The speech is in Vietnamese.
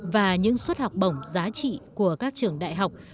và những suất học bổng giá trị của các trường đại học